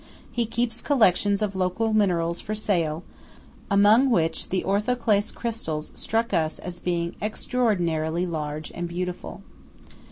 He keeps collections of local minerals for sale, among which the orthoclase crystals struck us as being extraordinarily large and beautiful.